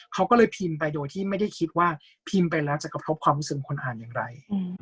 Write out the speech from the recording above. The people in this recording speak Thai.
เขาก็เลยพิมพ์ไปโดยที่ไม่ได้คิดว่าพิมพ์ไปแล้วจะกระทบความรู้สึกของคนอ่านอย่างไร